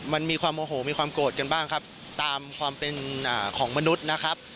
มันมีความโมโหมีความโกรธกันบ้างครับตามความเป็นของมนุษย์นะครับ